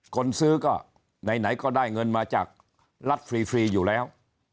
คนซื้อก็ไหนก็ได้เงินมาจากรัฐฟรีอยู่แล้ว